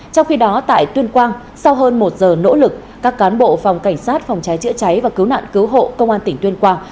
trong khi đó tại tuyên quang sau hơn một giờ nỗ lực các cán bộ phòng cảnh sát phòng cháy chữa cháy và cứu nạn cứu hộ công an tỉnh tuyên quang